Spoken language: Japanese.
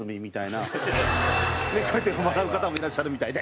こうやって笑う方もいらっしゃるみたいで。